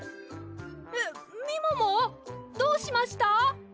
えっみももどうしました？